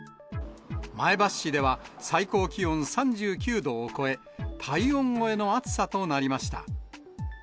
前橋市では最高気温３９度を超え、体温超えの暑さとなりました。